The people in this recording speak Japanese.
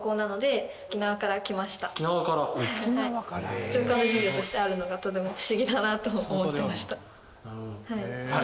普通科の授業としてあるのがとても不思議だなと思ってました。